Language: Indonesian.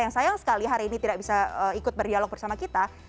yang sayang sekali hari ini tidak bisa ikut berdialog bersama kita